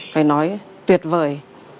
phải nói tuyệt vời